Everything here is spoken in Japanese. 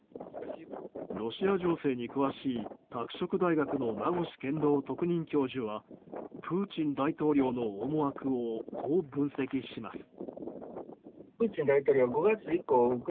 ロシア情勢に詳しい拓殖大学の名越健郎特任教授はプーチン大統領の思惑をこう分析します。